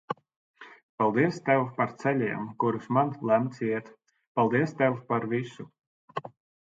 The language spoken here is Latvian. Paldies Tev par ceļiem, kurus man lemts iet. Paldies Tev par visu.